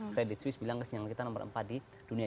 credit suisse bilang kesenjangan kita nomor empat di dunia